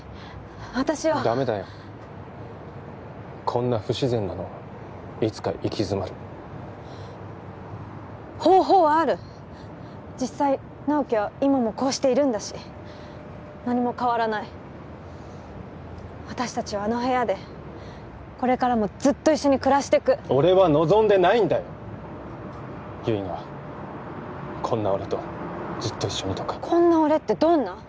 私はダメだよこんな不自然なのいつか行き詰まる方法はある実際直木は今もこうしているんだし何も変わらない私たちはあの部屋でこれからもずっと一緒に暮らしてく俺は望んでないんだよ悠依がこんな俺とずっと一緒にとかこんな俺ってどんな？